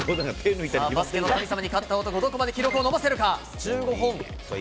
バスケの神様に勝った男、どこまで記録を伸ばせるか。